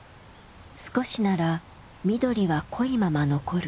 少しなら緑は濃いまま残る。